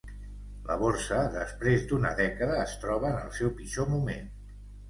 La borsa després d'una dècada es troba en el seu pitjor moment